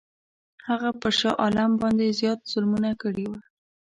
هغه پر شاه عالم باندي زیات ظلمونه کړي وه.